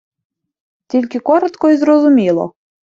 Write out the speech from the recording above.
Тільки коротко і зрозуміло!